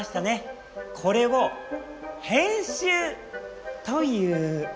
これを「編集」という。